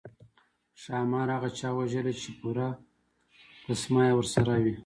ښامار هغه چا وژلی چې پوره تسمه یې ورسره وي.